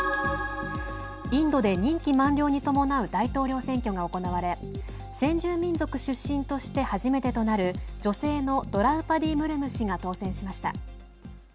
インドで任期満了に伴う大統領選挙が行われ先住民族出身として初めてとなる女性のドラウパディ・ムルム氏が当選しました。